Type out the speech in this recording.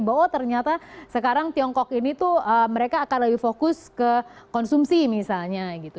bahwa ternyata sekarang tiongkok ini tuh mereka akan lebih fokus ke konsumsi misalnya gitu